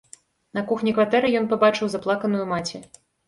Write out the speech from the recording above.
На кухні кватэры ён пабачыў заплаканую маці.